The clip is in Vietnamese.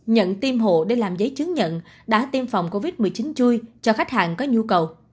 nhận tiêm hộ để làm giấy chứng nhận đã tiêm phòng covid một mươi chín chui cho khách hàng có nhu cầu